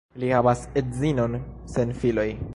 Li havas edzinon sen filoj.